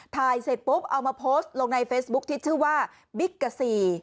ถ่ายเสร็จปุ๊บเอามาโพสต์ลงในเฟซบุ๊คที่ชื่อว่าบิ๊กกะซี